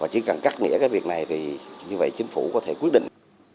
chỉ cần cắt nghĩa việc này như vậy chính phủ có thể quyết định